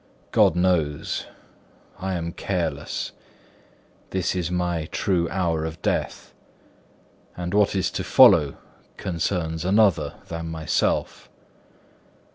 God knows; I am careless; this is my true hour of death, and what is to follow concerns another than myself.